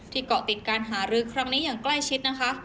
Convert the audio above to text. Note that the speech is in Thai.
เกาะติดการหารือครั้งนี้อย่างใกล้ชิดนะคะ